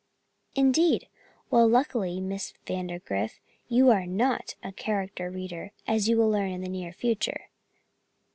"Indeed? Well, luckily Miss Vandergrift, you are not a character reader, as you will learn in the near future.